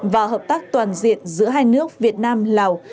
và hợp tác toàn diện giữa hai nước việt nam lào